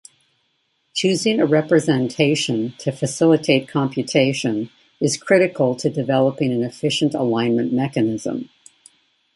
Choosing a representation to facilitate computation is critical to developing an efficient alignment mechanism.